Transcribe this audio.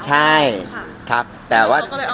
เราก็เอามาเทียบตรงนี้ได้